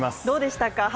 どうでしたか？